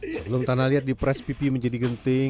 sebelum tanah liat diperas pipi menjadi genting